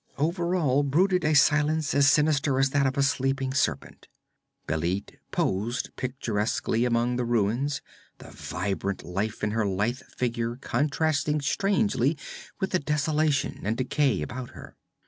Over all brooded a silence as sinister as that of a sleeping serpent. Bêlit posed picturesquely among the ruins, the vibrant life in her lithe figure contrasting strangely with the desolation and decay about her.